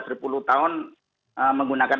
berpuluh tahun menggunakan